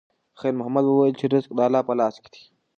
خیر محمد وویل چې رزق د الله په لاس کې دی.